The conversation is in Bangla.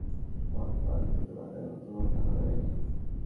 মদ পান করলে বাদামের মতো গন্ধ হবে নাকি।